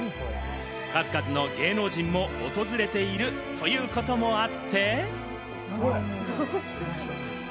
数々の芸能人も訪れているということもあって。